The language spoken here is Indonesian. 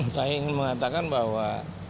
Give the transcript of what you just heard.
saya ingin mengatakan bahwa